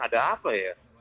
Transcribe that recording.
ada apa ya